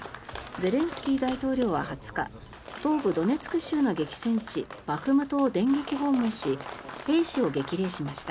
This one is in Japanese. ゼレンスキー大統領は２０日東部ドネツク州の激戦地バフムトを電撃訪問し兵士を激励しました。